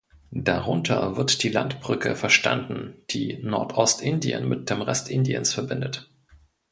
Darunter wird die Landbrücke verstanden, die Nordostindien mit dem Rest Indiens verbindet.